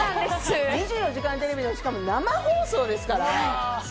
『２４時間テレビ』の、しかも生放送ですから。